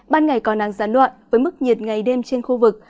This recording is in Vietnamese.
ban ngày có nắng gián đoạn với mức nhiệt ngày đêm trên khu vực